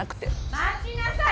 待ちなさい！